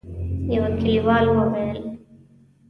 يوه کليوال وويل: